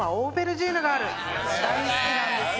大好きなんですよ。